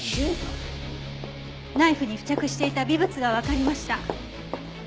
ナイフに付着していた微物がわかりました。